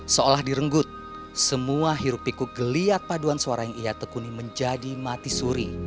seolah direnggut semua hirup pikuk geliat paduan suara yang ia tekuni menjadi mati suri